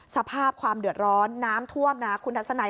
สภาพความเดือดร้อนน้ำท่วมนะคุณทัศนัย